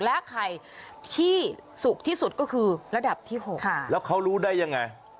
และไข่ที่สุกที่สุดก็คือระดับที่๖แล้วเขารู้ได้ยังไง